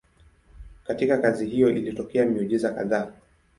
Katika kazi hiyo ilitokea miujiza kadhaa.